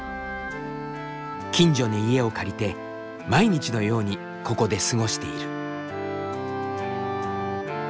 近所に家を借りて毎日のようにここで過ごしている。